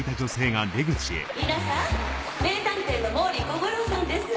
皆さん名探偵の毛利小五郎さんです。